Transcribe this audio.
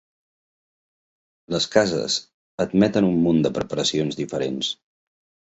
Les cases admeten un munt de preparacions diferents.